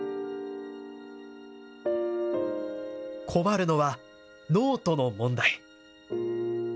困るのはノートの問題。